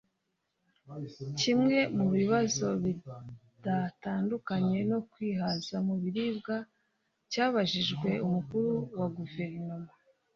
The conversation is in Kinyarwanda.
Kimwe mu bibazo bidatandukanye no kwihaza mu biribwa cyabajijwe Umukuru wa Guverinoma